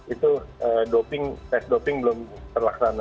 itu doping tes doping belum terlaksana